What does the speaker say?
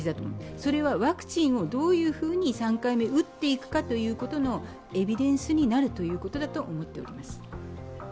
それはワクチンをどういうふうに３回目打っていくかというエビデンスになるということだと思っております。